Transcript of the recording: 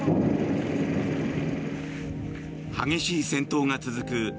激しい戦闘が続く